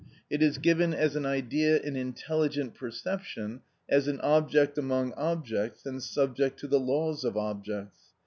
It is given as an idea in intelligent perception, as an object among objects and subject to the laws of objects.